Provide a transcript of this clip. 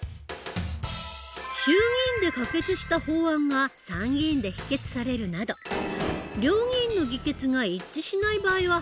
衆議院で可決した法案が参議院で否決されるなど両議院の議決が一致しない場合は廃案になる。